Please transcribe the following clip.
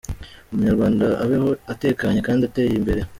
Umunyarwanda abeho atekanye kandi ateye imbere”.